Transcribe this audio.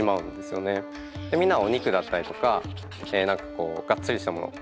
みんなはお肉だったりとか何かこうがっつりしたもの。